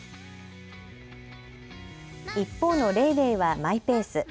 一方のレイレイはマイペース。